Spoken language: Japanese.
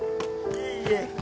いえいえ。